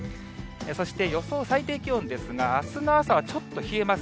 そして予想最低気温ですが、あすの朝はちょっと冷えます。